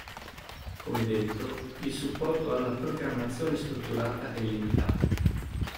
Come detto, il supporto alla programmazione strutturata è limitato.